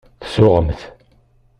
Tsuɣemt.